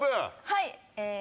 はい！